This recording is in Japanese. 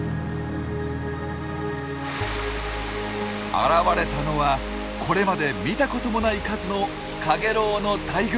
現れたのはこれまで見たこともない数のカゲロウの大群。